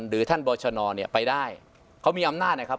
หรือท่านบอชนเนี่ยไปได้เขามีอำนาจนะครับ